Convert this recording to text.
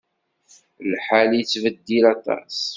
Lḥal yettbeddil aṭas.